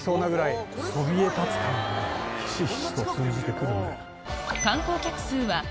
ひしひしと通じてくるね。